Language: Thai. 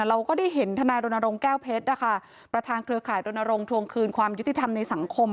เราก็ได้เห็นทนายรณรงค์แก้วเพชรนะคะประธานเครือข่ายรณรงควงคืนความยุติธรรมในสังคม